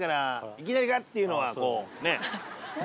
いきなりガッていうのはこうねえ。